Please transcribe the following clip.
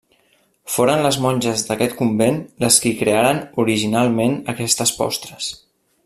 Foren les monges d'aquest convent les qui crearen originalment aquestes postres.